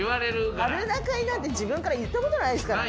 春菜会なんて自分から言ったことないですからね。